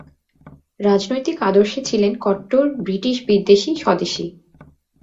রাজনৈতিক আদর্শে ছিলেন কট্টর ব্রিটিশ-বিদ্বেষী স্বদেশী।